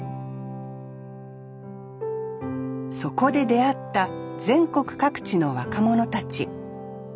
そこで出会った全国各地の若者たち。